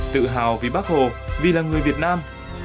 tự hào vì bác hồ vì là người việt nam